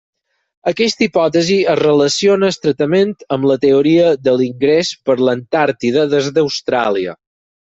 Aquesta hipòtesi es relaciona estretament amb la teoria de l'ingrés per l'Antàrtida des d'Austràlia.